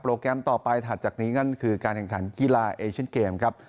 แกรมต่อไปถัดจากนี้นั่นคือการแข่งขันกีฬาเอเชียนเกมครับ